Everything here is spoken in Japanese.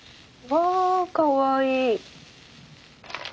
わあかわいい。